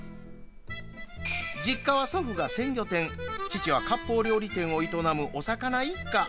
実家は祖父が鮮魚店父はかっぽう料理店を営むお魚一家。